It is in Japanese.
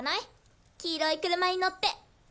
黄色い車に乗って！